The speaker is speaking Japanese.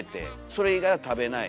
それ以外は食べない。